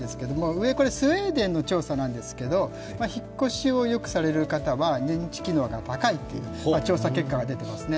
上はスウェーデンの調査なんですけど、引っ越しをよくされる方は認知機能が高いという調査結果が出ていますね。